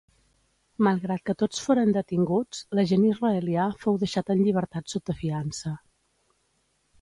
Malgrat que tots foren detinguts, l'agent israelià fou deixat en llibertat sota fiança.